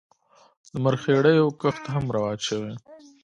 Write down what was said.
د مرخیړیو کښت هم رواج شوی.